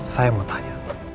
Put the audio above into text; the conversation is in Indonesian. saya mau tanya